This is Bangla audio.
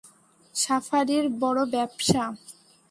সাফারির বড় ব্যবসা।